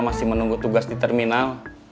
masih menunggu tugas di terminal